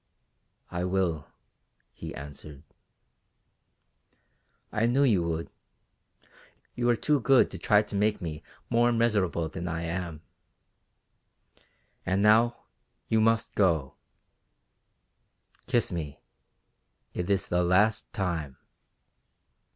"I will," he answered. "I knew you would; you are too good to try to make me more miserable than I am. And now, you must go; kiss me, it is the last time."